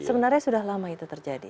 sebenarnya sudah lama itu terjadi